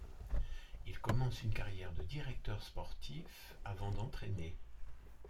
Il commence une carrière de directeur sportif avant d'entraîner.